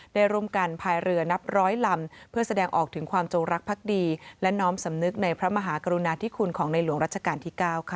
ได้ร่วมกันพายเรือนับร้อยลำเพื่อแสดงออกถึงความจงรักภักดีและน้อมสำนึกในพระมหากรุณาธิคุณของในหลวงรัชกาลที่๙ค่ะ